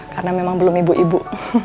karena memang belum ibu ibu